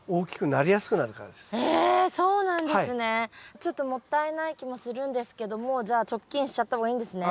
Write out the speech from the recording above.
ちょっともったいない気もするんですけどもうじゃあチョッキンしちゃった方がいいんですね。